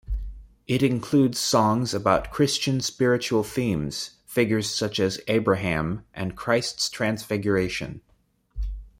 It includes songs about Christian spiritual themes, figures such as Abraham, and Christ's Transfiguration.